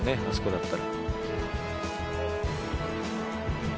あそこだったら。